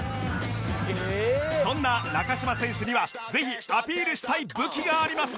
そんな中島選手にはぜひアピールしたい武器があります